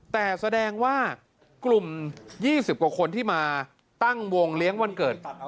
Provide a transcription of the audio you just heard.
แต่แสดงว่ากลุ่ม๒๐กว่าคนที่มาตั้งวงเลี้ยงวันเกิด